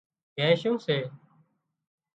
بينشُون سي